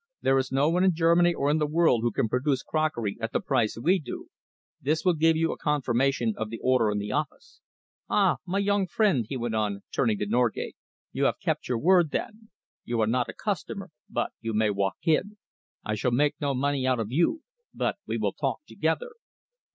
"There is no one in Germany or in the world who can produce crockery at the price we do. They will give you a confirmation of the order in the office. Ah! my young friend," he went on, turning to Norgate, "you have kept your word, then. You are not a customer, but you may walk in. I shall make no money out of you, but we will talk together."